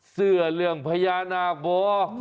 เสื่อเรื่องพญานาคบอก